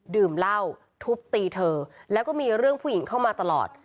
ดื่มเหล้าทุบตีเธอแล้วก็มีเรื่องผู้หญิงเข้ามาตลอด